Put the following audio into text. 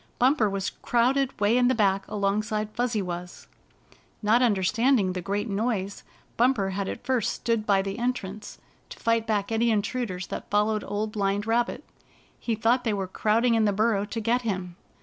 Bumper was crowded way in back alongside Fuzzy Wuzz. Not understanding the great noise. Bumper had at first stood by the entrance 85 86 Spotted Tail Receives His Punishment to fight back any intruders that followed Old Blind Rabbit. He thought they were crowding in the burrow to get him.